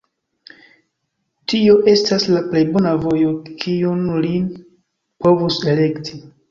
Tio estas la plej bona vojo, kiun li povus elekti.